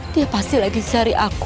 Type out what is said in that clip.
dia pasti lagi cari aku